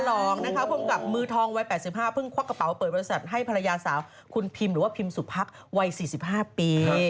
รองนะคะพบกับมือทองวัย๘๕เพิ่งควักกระเป๋าเปิดบริษัทให้ภรรยาสาวคุณพิมหรือว่าพิมสุพักวัย๔๕ปี